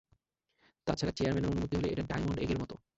তাছাড়া, চেয়ারম্যানের অনুমতি হলে, এটা ডায়মন্ড এগের মতো।